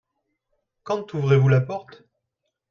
Quand ouvrez-vous la porte ?